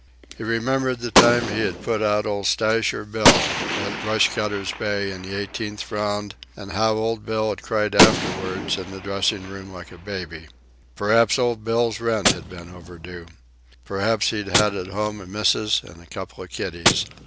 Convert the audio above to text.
He remembered the time he put out old Stowsher Bill, at Rush Cutters Bay, in the eighteenth round, and how old Bill had cried afterward in the dressing room like a baby. Perhaps old Bill's rent had been overdue. Perhaps he'd had at home a missus an' a couple of kiddies.